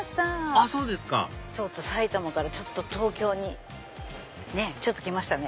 あっそうですか埼玉から東京に来ましたね。